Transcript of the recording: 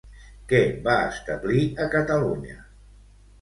Què va establir a Catalunya?